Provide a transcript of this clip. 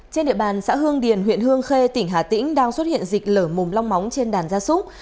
trên địa bàn xã hương điền huyện hương khê tỉnh hà tĩnh đang xuất hiện dịch lở mồm long móng trên đàn gia súc